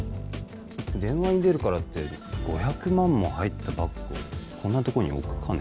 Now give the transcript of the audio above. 電話に出るからって５００万も入ったバッグをこんなとこに置くかね？